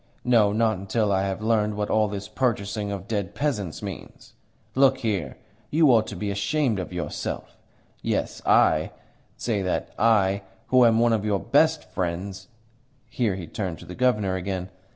No, not until I have learnt what all this purchasing of dead peasants means. Look here. You ought to be ashamed of yourself. Yes, I say that I who am one of your best friends." Here he turned to the Governor again.